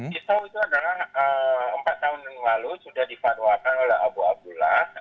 pisau itu adalah empat tahun yang lalu sudah difatwakan oleh abu abdullah